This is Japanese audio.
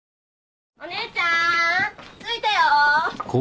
お姉ちゃーん着いたよー。